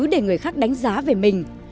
để người khác đánh giá về mình